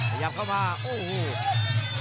ขยับเข้ามาโอ้โห